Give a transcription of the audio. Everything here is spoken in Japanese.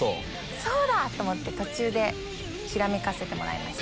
そうだ！と思って途中でひらめかせてもらいました。